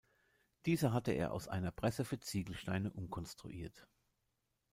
Diese hatte er aus einer Presse für Ziegelsteine umkonstruiert.